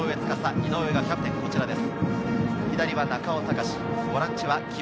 井上がキャプテンです。